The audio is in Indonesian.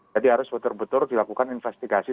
jadi harus betul betul dilakukan investigasi